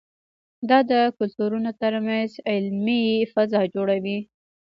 دا د کلتورونو ترمنځ علمي فضا جوړوي.